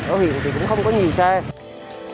ở huyện thì cũng không có gì xa